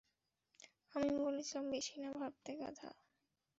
আমি বলেছিলাম বেশি না ভাবতে গাধা।